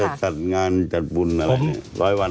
แล้วจะจัดงานจัดบุญอะไรเนี่ย